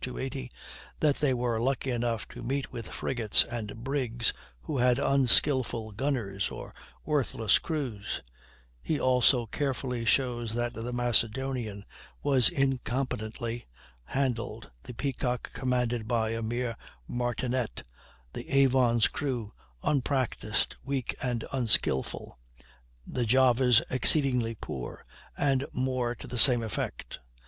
280) that they were lucky enough to meet with frigates and brigs who had unskilful gunners or worthless crews; he also carefully shows that the Macedonian was incompetently handled, the Peacock commanded by a mere martinet, the Avon's crew unpractised weak and unskilful, the Java's exceedingly poor, and more to the same effect.